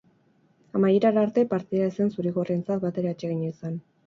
Amaierara arte, partida ez zen zuri-gorrientzat batere atsegina izan.